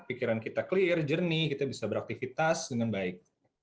pikiran kita clear jernih kita bisa beraktivitas dengan baik